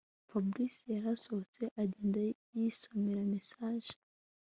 Fabric yarasohotse agenda yisomera message